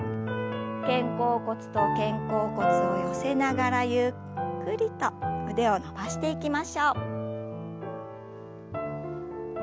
肩甲骨と肩甲骨を寄せながらゆっくりと腕を伸ばしていきましょう。